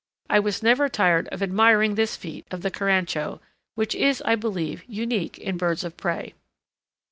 I was never tired of admiring this feat of the carancho, which is, I believe, unique in birds of prey.